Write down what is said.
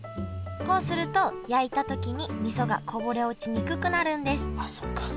こうすると焼いた時にみそがこぼれ落ちにくくなるんですあっそっか。